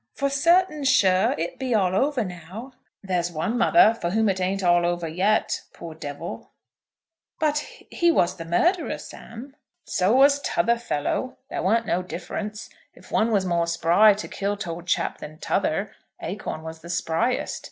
"For certain sure it be all over now?" "There's one, mother, for whom it ain't all over yet; poor devil." "But he was the murderer, Sam." "So was t'other fellow. There weren't no difference. If one was more spry to kill t'old chap than t'other, Acorn was the spryest.